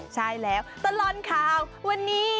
ใช่แล้วตลอดข่าววันนี้